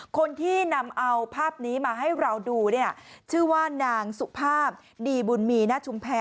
คนที่นำเอาภาพนี้มาให้เราดูเนี่ยชื่อว่านางสุภาพดีบุญมีณชุมแพร